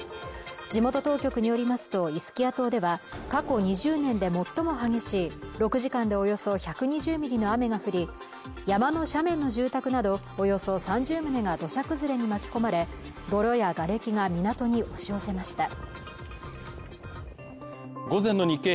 地元当局によりますとイスキア島では過去２０年で最も激しい６時間でおよそ１２０ミリの雨が降り山の斜面の住宅などおよそ３０棟が土砂崩れに巻き込まれ泥やがれきが港に押し寄せました